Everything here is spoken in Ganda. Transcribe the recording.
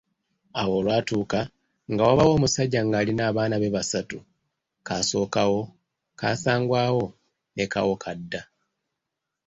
Awo olwatuuka nga wabaawo omusajja ng’alina abaana be basatu: Kasookawo, Kaasangwawo ne Kawokadda.